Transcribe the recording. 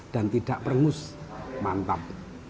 dan tidak peremus mantap